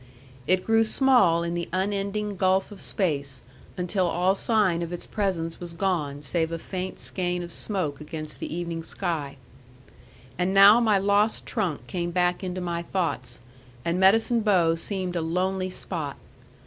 It grew small in the unending gulf of space, until all sign of its presence was gone save a faint skein of smoke against the evening sky. And now my lost trunk came back into my thoughts, and Medicine Bow seemed a lonely spot.